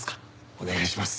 お願いします。